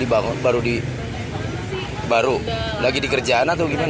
ini bangunannya baru di baru di baru lagi dikerjaan atau gimana